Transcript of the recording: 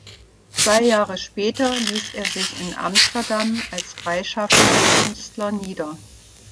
Zwei Jahre später ließ er sich in Amsterdam als freischaffender Künstler nieder.